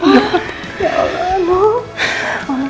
ya allah noh